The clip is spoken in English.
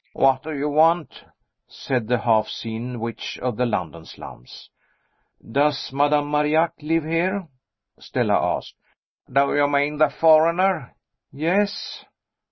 "What do you want?" said the half seen witch of the London slums. "Does Madame Marillac live here?" Stella asked. "Do you mean the foreigner?" "Yes."